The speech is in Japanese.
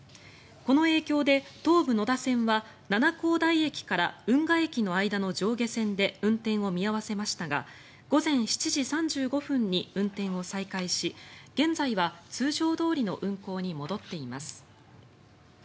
この影響で東武野田線は七光台駅から運河駅の間の上下線で運転を見合わせましたが午前７時３５分に運転を再開し現在は通常どおりの運行に戻っています。